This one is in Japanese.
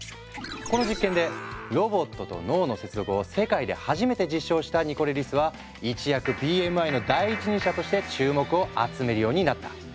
この実験でロボットと脳の接続を世界で初めて実証したニコレリスは一躍ＢＭＩの第一人者として注目を集めるようになった。